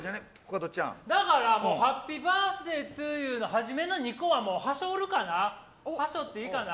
だから、ハッピーバースデートゥーユーのはじめの２個ははしょるかなはしょっていいかな。